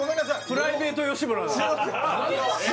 プライベート吉村だ